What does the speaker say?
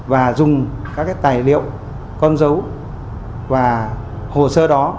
và dùng các tài liệu con dấu và hồ sơ đó để lừa dối cơ quan tổ chức